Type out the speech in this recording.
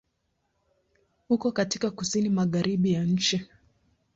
Uko katika Kusini Magharibi ya nchi.